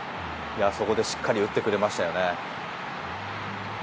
あそこでしっかり打ってくれましたよね。